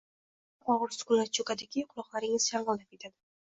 Shu qadar og‘ir sukunat cho‘kadiki, quloqlaringiz shang‘illab ketadi.